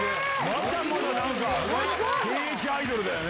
まだまだ現役アイドルだよね。